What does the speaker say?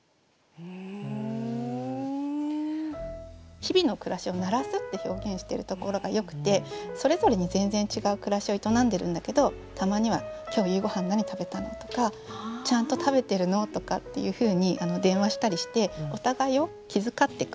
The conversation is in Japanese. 日々の暮らしを「鳴らす」って表現してるところがよくてそれぞれに全然違う暮らしを営んでるんだけどたまには「今日夕ごはん何食べたの？」とか「ちゃんと食べてるの？」とかっていうふうに電話したりしてお互いを気遣ってく。